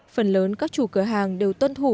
phần lớn các chủ cửa hàng đều tuân thủ